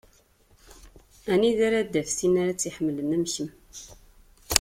Anida ara d-taf tin ara tt-iḥemmlen am kemm?